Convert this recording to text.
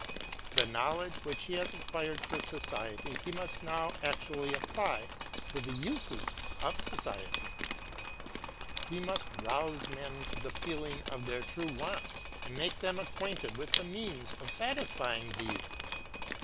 The Knowledge which he has acquired for society he must now actually apply to the uses of society; — he must rouse men to the feeling of their true wants, and make them acquainted with the means of satisfying these.